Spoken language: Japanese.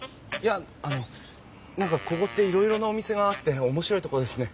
あのここっていろいろなお店があって面白いとこですね。